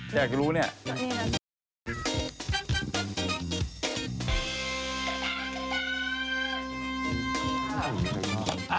จะอาจจะรู้เนี่ยนี่นะ